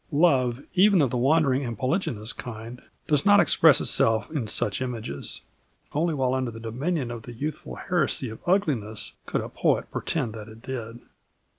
Love, even of the wandering and polygynous kind, does not express itself in such images. Only while under the dominion of the youthful heresy of ugliness could a poet pretend that it did.